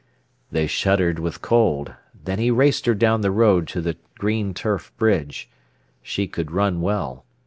They shuddered with cold; then he raced her down the road to the green turf bridge. She could run well.